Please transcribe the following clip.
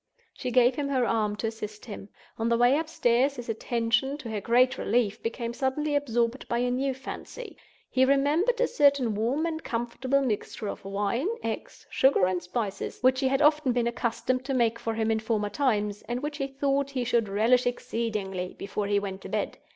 She gave him her arm to assist him. On the way upstairs his attention, to her great relief, became suddenly absorbed by a new fancy. He remembered a certain warm and comfortable mixture of wine, eggs, sugar, and spices, which she had often been accustomed to make for him in former times, and which he thought he should relish exceedingly before he went to bed.